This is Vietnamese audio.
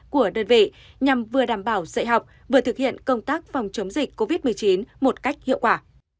của đơn vị nhằm vừa đảm bảo dạy học vừa thực hiện công tác phòng chống dịch covid một mươi chín một cách hiệu quả